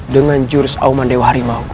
dengan jurus auman dewa harimau